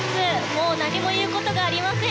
もう何も言うことがありません。